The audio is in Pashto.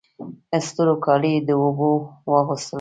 ستورو کالي د اوبو واغوستله